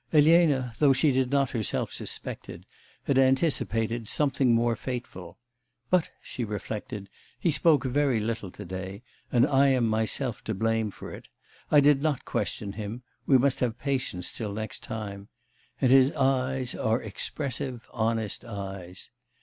Elena, though she did not herself suspect it, had anticipated something more fateful. 'But,' she reflected, 'he spoke very little to day, and I am myself to blame for it; I did not question him, we must have patience till next time... and his eyes are expressive, honest eyes.